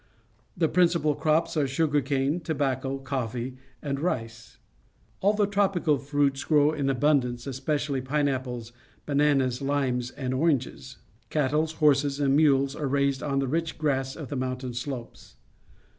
The principal crops are sugar cane, tobacco, coffee, and rice. All the tropical fruits grow in abundance, especial!}^ pineapples, bananas, limes, ami oranges. Cattle, horses, and mules are raised on the rich grass of the mountain slopes.